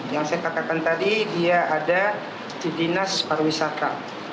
yang saya katakan tadi dia ada di dinas pariwisata